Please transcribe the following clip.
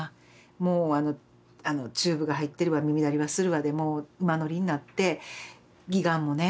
もうチューブが入ってるわ耳鳴りはするわでもう馬乗りになって義眼もね